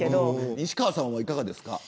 西川さん、いかがですか。